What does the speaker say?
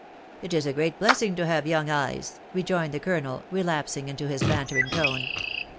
" It is a great blessing to have young eyea/* rejeaned 4fct colonel, relapsing into his bantering tone.